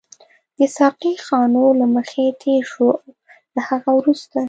د ساقي خانو له مخې تېر شوو، له هغه وروسته.